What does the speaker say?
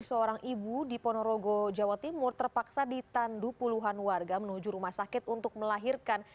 seorang ibu di ponorogo jawa timur terpaksa ditandu puluhan warga menuju rumah sakit untuk melahirkan